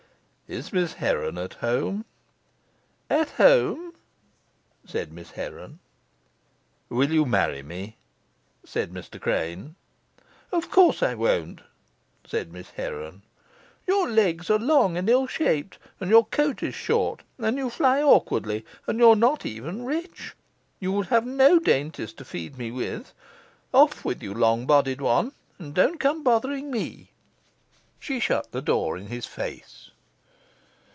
"Is Miss Heron at home?" "At home," said Miss Heron. "Will you marry me?" said Mr. Crane. "Of course I won't," said Miss Heron; "your legs are long and ill shaped, and your coat is short, and you fly awkwardly, and you are not even rich. You would have no dainties to feed me with. Off with you, long bodied one, and don't come bothering me." She shut the door in his face.